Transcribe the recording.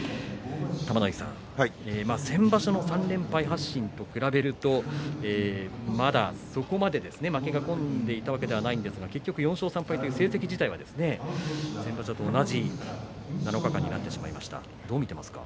玉ノ井さん、先場所の３連敗発進と比べるとまだそこまで負けが込んでいたわけではないんですが結局４勝３敗と成績自体は先場所と同じ７日間になってしまいました。